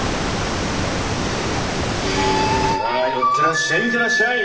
さあ寄ってらっしゃい！